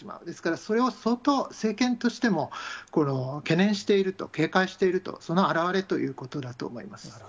ですからそれを相当、政権としても懸念していると、警戒していると、その表れだと思います。